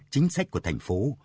chính sách của thành phố